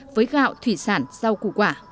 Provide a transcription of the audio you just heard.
với gạo thủy sản rau củ quả